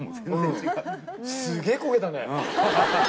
すげぇこけたね。